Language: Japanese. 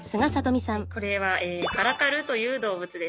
これはカラカルという動物です。